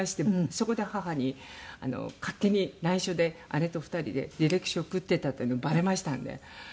そこで母に勝手に内緒で姉と２人で履歴書送ってたっていうのバレましたんで。